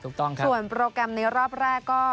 ส่วนโปรแกรมในรอบแรกก็